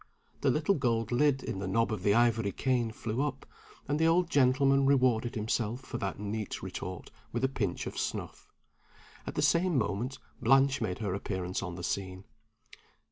The little gold lid in the knob of the ivory cane flew up, and the old gentleman rewarded himself for that neat retort with a pinch of snuff. At the same moment Blanche made her appearance on the scene.